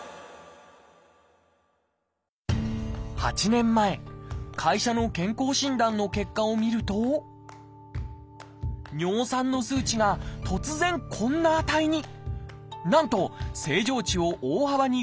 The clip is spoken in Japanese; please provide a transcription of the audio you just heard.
８年前会社の健康診断の結果を見ると尿酸の数値が突然こんな値に。